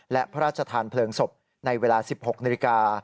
และพระราชทานเพลิงศพในเวลา๑๖นาฬิกา